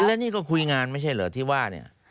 แล้วนี่ก็คุยงานไม่ใช่เหรอที่ว่าเนี่ย